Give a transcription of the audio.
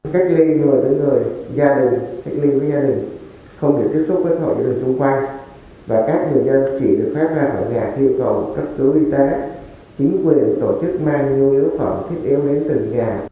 cách ly vừa đến người gia đình cách ly với gia đình không được tiếp xúc với họ như đều xung quanh